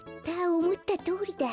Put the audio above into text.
おもったとおりだ！